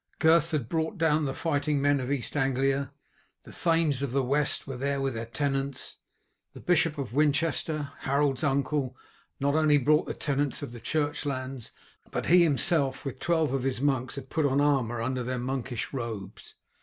Gurth had brought down the fighting men of East Anglia; the thanes of the West were there with their tenants; the Bishop of Winchester, Harold's uncle, not only brought the tenants of the church lands, but he himself with twelve of his monks had put on armour under their monkish robes.